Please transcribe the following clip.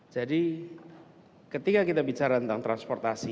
jadi ketika kita bicara tentang transportasi